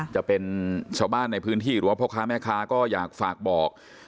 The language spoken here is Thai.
จะเป็นชาวบ้านในพื้นที่หรือว่าพ่อค้าแม่ค้าก็อยากฝากบอก